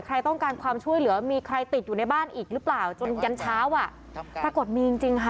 ใครต้องการความช่วยเหลือมีใครติดอยู่ในบ้านอีกหรือเปล่าจนยันเช้าอ่ะปรากฏมีจริงจริงค่ะ